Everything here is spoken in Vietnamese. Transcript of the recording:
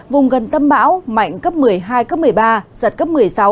vùng gần tâm bão mạnh cấp một mươi hai cấp một mươi ba giật cấp một mươi sáu